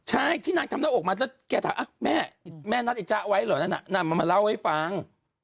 ใช่ที่นางทำหน้าอกมาแล้วแกถามแม่แม่นัดไอจ๊ะไว้เหรอนั่นน่ะนางมันมาเล่าให้ฟัง